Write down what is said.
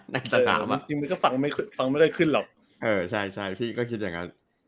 ในสนามอ่ะจริงมันก็ฟังไม่ฟังไม่ได้ขึ้นหรอกเออใช่ใช่พี่ก็คิดอย่างนั้น